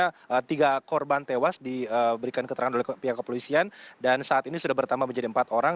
karena tiga korban tewas diberikan keterangan oleh pihak kepolisian dan saat ini sudah bertambah menjadi empat orang